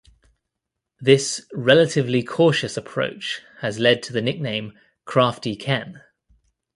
This relatively cautious approach has led to the nickname "Crafty Ken".